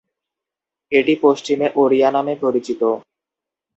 এটি পশ্চিমা ওড়িয়া নামে পরিচিত।